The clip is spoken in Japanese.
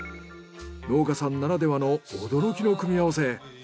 農家さんならではの驚きの組み合わせ。